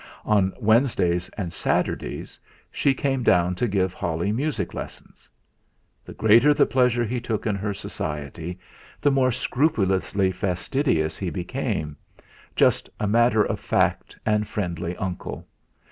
On Wednesdays and Saturdays she came down to give Holly music lessons. The greater the pleasure he took in her society, the more scrupulously fastidious he became, just a matter of fact and friendly uncle.